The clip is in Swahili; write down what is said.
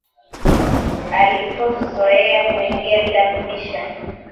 alipozoea kuingia bila kubisha